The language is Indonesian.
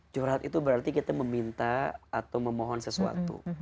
curhat itu berarti kita meminta atau memohon sesuatu